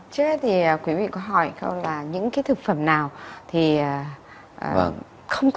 chứ thì quý vị có hỏi không là những thực phẩm nào thì không có